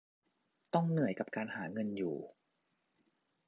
ต้องเหนื่อยกับการหาเงินอยู่